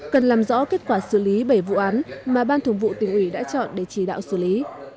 cần làm rõ kết quả xử lý bảy vụ án mà ban thường vụ tỉnh ủy đã chọn để chỉ đạo xử lý